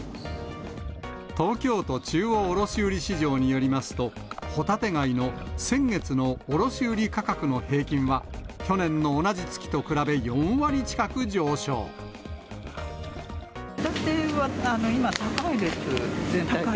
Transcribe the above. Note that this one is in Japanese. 東京都中央卸売市場によりますと、ホタテガイの先月の卸売り価格の平均は、ホタテは今高いです。